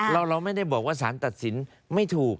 เราไม่ได้บอกว่าสารตัดสินไม่ถูก